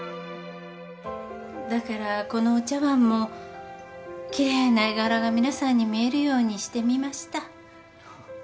だからこのお茶わんも奇麗な絵柄が皆さんに見えるようにしてみました。